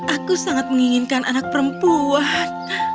aku sangat menginginkan anak perempuan